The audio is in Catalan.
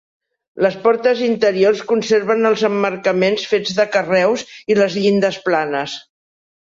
Les portes interiors conserven els emmarcaments fets de carreus i les llindes planes.